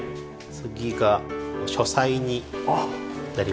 次が書斎になります。